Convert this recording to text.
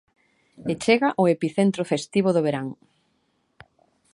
E chega o epicentro festivo do verán.